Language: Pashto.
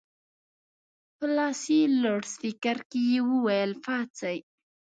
په لاسي لوډسپیکر کې یې وویل پاڅئ.